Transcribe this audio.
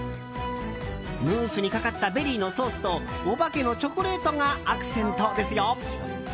ムースにかかったベリーのソースとお化けのチョコレートがアクセントですよ！